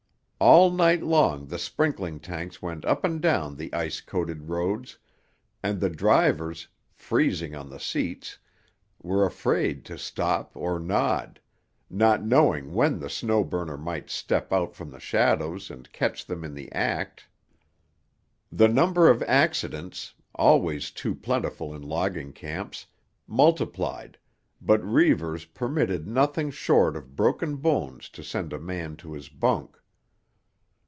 All night long the sprinkling tanks went up and down the ice coated roads, and the drivers, freezing on the seats, were afraid to stop or nod, not knowing when the Snow Burner might step out from the shadows and catch them in the act. The number of accidents, always too plentiful in logging camps, multiplied, but Reivers permitted nothing short of broken bones to send a man to his bunk.